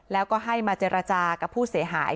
แล้วก็ให้มาเจรจากับผู้เสียหาย